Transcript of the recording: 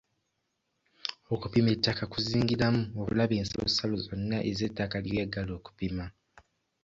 Okupima ettaka kuzingiramu okulaba ensalosalo zonna ez'ettaka ly'oyagala okupima.